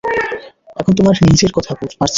এখন তোমার নিজের কথা পাড়ছি।